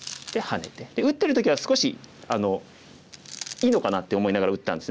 打ってる時は少しいいのかなって思いながら打ってたんですね。